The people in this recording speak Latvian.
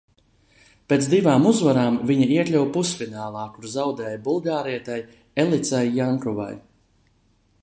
Pēc divām uzvarām viņa iekļuva pusfinālā, kur zaudēja bulgārietei Elicai Jankovai.